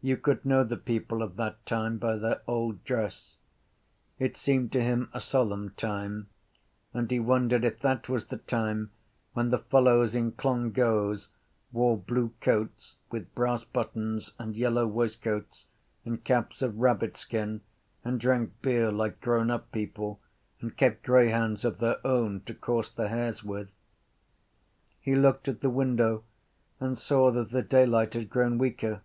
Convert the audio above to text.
You could know the people of that time by their old dress. It seemed to him a solemn time: and he wondered if that was the time when the fellows in Clongowes wore blue coats with brass buttons and yellow waistcoats and caps of rabbitskin and drank beer like grownup people and kept greyhounds of their own to course the hares with. He looked at the window and saw that the daylight had grown weaker.